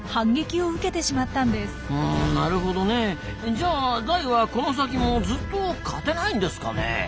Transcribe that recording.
じゃあダイはこの先もずっと勝てないんですかね？